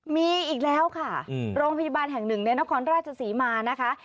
มีอีกแล้วค่ะโรงพยาบาลแห่งหนึ่งเนี่ยน้องคอนราชสีมานะคะ